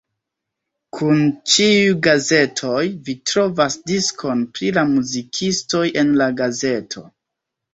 Kun ĉiuj gazetoj, vi trovas diskon pri la muzikistoj en la gazeto.